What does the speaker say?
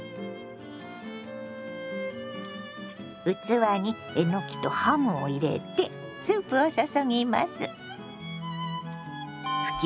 器にえのきとハムを入れてスープを注ぎます。